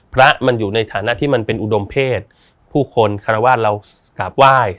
พระมันอยู่ในฐานะที่มันเป็นอุดมเพศผู้คนคารวาสเรากราบไหว้